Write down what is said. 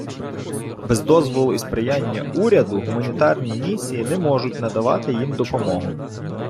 Без дозволу і сприяння уряду гуманітарні місії не можуть надавати їм допомогу.